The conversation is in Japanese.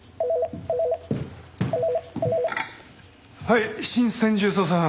はい新専従捜査班。